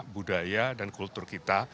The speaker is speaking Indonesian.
budaya dan kultur kita